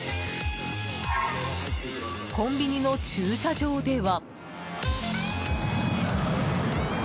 コンビニの駐車場では。